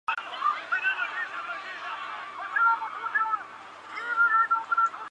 此书注重对汉字结构的分析和词义的辨析。